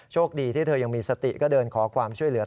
คดีที่เธอยังมีสติก็เดินขอความช่วยเหลือ